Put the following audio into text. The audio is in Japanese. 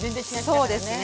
そうですね。